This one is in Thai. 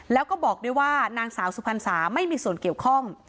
แล้วก็บอกด้วยว่านางสาวสุพรรณสาไม่มีส่วนเกี่ยวข้อง